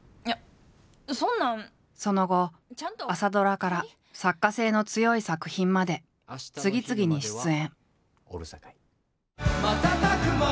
その後朝ドラから作家性の強い作品まで次々に出演。